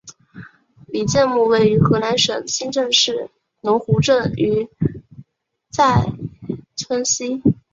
李诫墓位于河南省新郑市龙湖镇于寨村西。